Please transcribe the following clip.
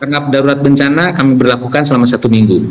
karena darurat bencana kami berlakukan selama satu minggu